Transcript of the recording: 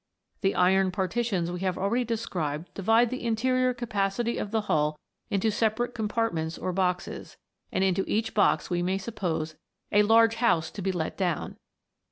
The iron parti tions we have already described divide the interior capacity of the hull into separate compartments or boxes ; and into each box we may suppose a large house to be let down.